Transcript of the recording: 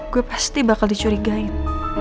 gue pasti bakal dicurigain